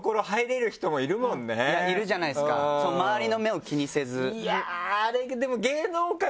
いるじゃないですか周りの目を気にせず。